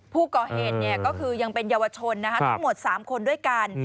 ผู้ก่อเหตุก็คือยังเป็นเยาวชนทั้งหมด๓คนด้วยกัน